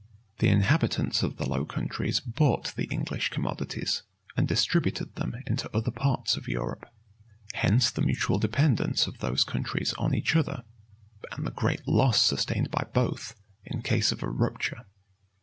The inhabitants of the Low Countries bought the English commodities, and distributed them into other parts of Europe. Hence the mutual dependence of those countries on each other; and the great loss sustained by both in case of a rupture.